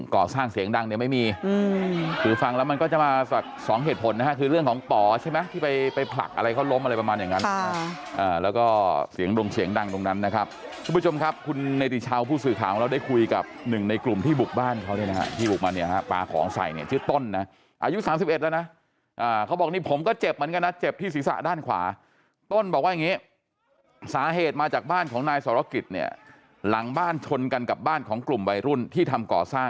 ก่อสร้างเสียงดังเนี้ยไม่มีอืมถือฟังแล้วมันก็จะมาสักสองเหตุผลนะฮะคือเรื่องของป๋อใช่ไหมที่ไปไปผลักอะไรก็ล้มอะไรประมาณอย่างนั้นค่ะอ่าแล้วก็เสียงดงเสียงดังตรงนั้นนะครับทุกผู้ชมครับคุณในติชาวผู้สื่อข่าวแล้วได้คุยกับหนึ่งในกลุ่มที่บุกบ้านเขาเนี้ยนะฮะที่บุกบ้านเนี้ยฮะ